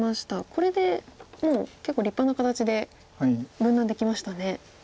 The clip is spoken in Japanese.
これでもう結構立派な形で分断できましたね。